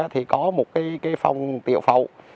thì có một cái phòng tiệu phẩu